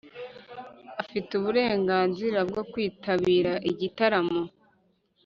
afite uburenganzira bwo kwitabira igitaramo